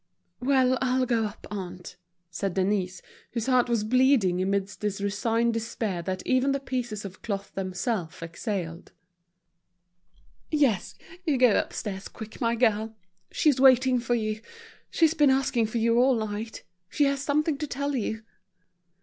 "Well, I'll go up, aunt," said Denise, whose heart was bleeding, amidst this resigned despair that even the pieces of cloth themselves exhaled. "Yes, go upstairs quick, my girl. She's waiting for you. She's been asking for you all night. She has something to tell you."